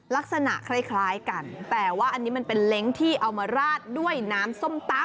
ลักษณะคล้ายกันแต่ว่าอันนี้มันเป็นเล้งที่เอามาราดด้วยน้ำส้มตำ